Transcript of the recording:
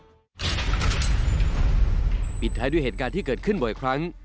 ปิดท้ายด้วยเหตุการณ์ที่เกิดขึ้นบ่อยครั้ง